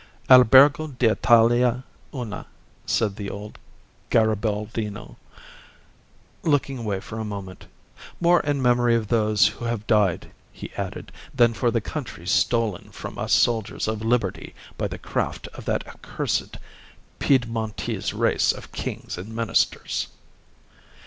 "Albergo d'Italia Una," said the old Garibaldino, looking away for a moment. "More in memory of those who have died," he added, "than for the country stolen from us soldiers of liberty by the craft of that accursed Piedmontese race of kings and ministers."